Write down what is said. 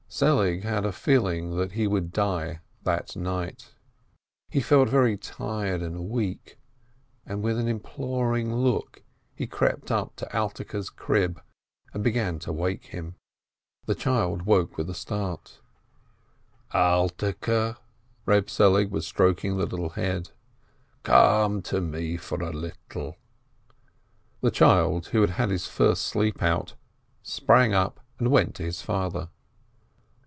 Selig had a feeling that he would die that night. He felt very tired and weak, and with an imploring look he crept up to Alterke's crib, and began to wake him. The child woke with a start. "Alterke" — Keb Selig was stroking the little head — "come to me for a little !" The child, who had had his first sleep out, sprang up, and went to his father.